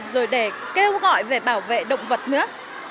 rồi để kêu gọi về bảo vệ động vật nữa